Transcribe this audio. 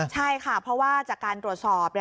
ใช่ค่ะเพราะว่าจากการตรวจสอบ